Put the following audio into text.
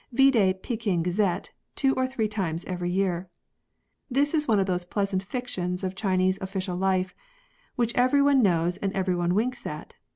Vide Feting Gazette, two or three times every year. This is one of those pleasant fictions of Chinese official life, which every one knows and every one winks at.